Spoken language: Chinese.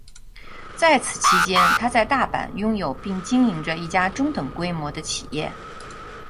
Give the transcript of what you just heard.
在此期间，他在大阪拥有并经营着一家中等规模的企业。